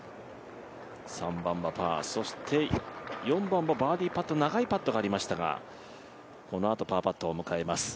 ３番はパー４番もバーディーパット長いパットがありましたがこのあとパーパットを迎えます。